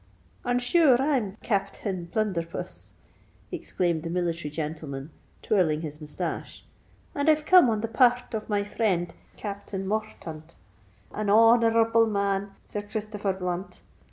"And, sure, I'm Capthain O'Blunther r buss!" exclaimed the military gentleman, twirling his moustache; "and I've come on the par rt of my friend Capthain Morthaunt—an honour r able man, Sir r Christopher Blunt!"